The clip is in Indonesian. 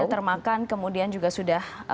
termakan kemudian juga sudah